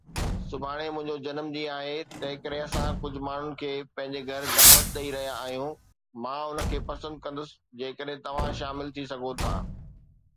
سڀاڻي منهنجو جنم ڏينهن آهي، تنهنڪري اسان ڪجهه ماڻهن کي پنهنجي گهر دعوت ڏئي رهيا آهيون. مان ان کي پسند ڪندس جيڪڏهن توهان شامل ٿي سگهو ٿا.